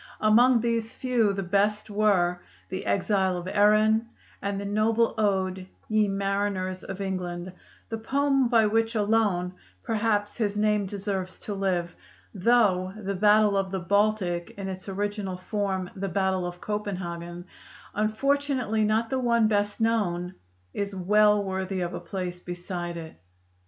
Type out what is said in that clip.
Among these few the best were 'The Exile of Erin' and the noble ode 'Ye Mariners of England,' the poem by which alone, perhaps, his name deserves to live; though 'The Battle of the Baltic' in its original form 'The Battle of Copenhagen' unfortunately not the one best known is well worthy of a place beside it.